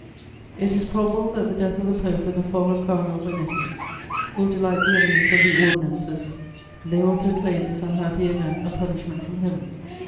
"It is probable that the death of the Pope and the fall of Cardinal Bernetti will delight the enemies of the ordinances, they will proclaim this unhappy event a punishment from Heaven.